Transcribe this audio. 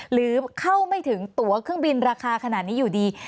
หรือเข้าไม่ถึงตัวเครื่องบินราคาขนาดนี้อยู่ดี